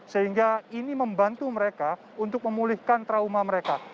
sehingga ini membantu mereka untuk memulihkan trauma mereka